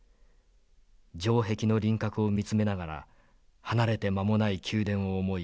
城壁の輪郭を見つめながら離れて間もない宮殿を思い